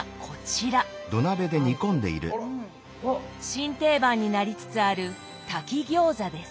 新定番になりつつある「炊き餃子」です。